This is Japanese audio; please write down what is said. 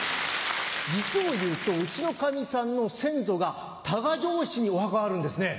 実をいうとうちのかみさんの先祖が多賀城市にお墓があるんですね。